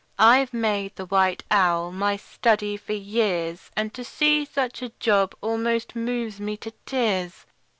I've made the white owl my study for years, And to see such a job almost moves me to tears!